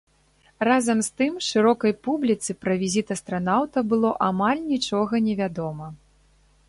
Разам з тым, шырокай публіцы пра візіт астранаўта было амаль нічога невядома.